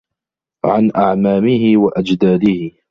عَنْ أَعْمَامِهِ وَأَجْدَادِهِ